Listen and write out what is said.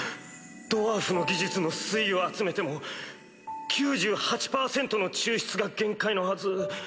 ドワーフの技術の粋を集めても９８％の抽出が限界のはず。